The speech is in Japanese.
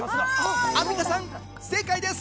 アンミカさん、正解です！